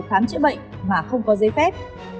khám chữa bệnh mà không có giấy phép